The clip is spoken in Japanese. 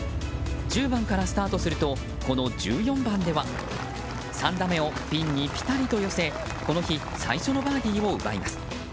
１０番からスタートするとこの１４番では３打目をピンにピタリと寄せこの日、最初のバーディーを奪います。